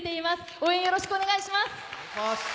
応援よろしくお願いします。